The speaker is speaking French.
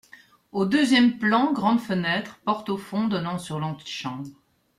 Au deuxième plan, grande fenêtre, porte au fond, donnant sur l’antichambre.